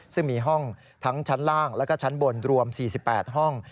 ซึ่งมีห้องทั้งชั้นล่างแล้วก็ชั้นบนรวม๔๘ห้อง